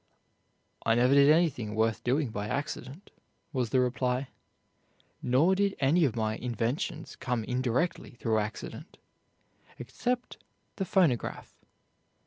"I never did anything worth doing by accident," was the reply, "nor did any of my inventions come indirectly through accident, except the phonograph.